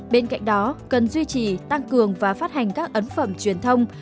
bên cạnh đó cần duy trì tăng cường và phát hành các ấn phẩm truyền thông